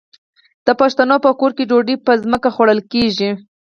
د پښتنو په کور کې ډوډۍ په ځمکه خوړل کیږي.